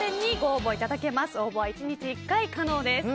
応募は１日１回可能です。